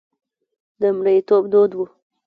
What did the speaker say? د مریتوب دود و.